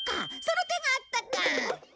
その手があったか！